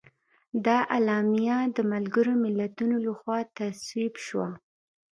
دا اعلامیه د ملګرو ملتونو لخوا تصویب شوه.